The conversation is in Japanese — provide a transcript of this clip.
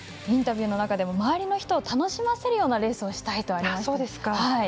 インタビューの中でも周りの人を楽しませるようなレースをしたいとありました。